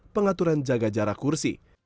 pengaturan jaga jarak kursi